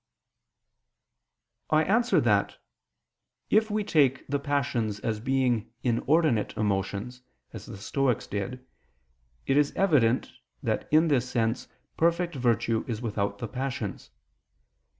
I answer that, If we take the passions as being inordinate emotions, as the Stoics did, it is evident that in this sense perfect virtue is without the passions.